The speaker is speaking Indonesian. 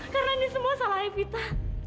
karena ini semua salah evita